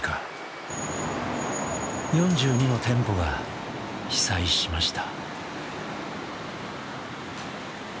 ４２の店舗が被災しました。